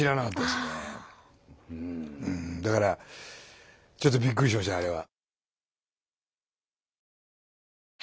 だからちょっとびっくりしましたあれは。